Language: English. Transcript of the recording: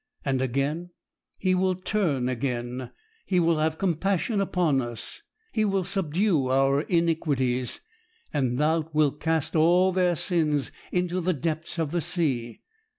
And again: "He will turn again, He will have compassion upon us; He will subdue our iniquities; and Thou wilt cast all their sins into the depths of the sea."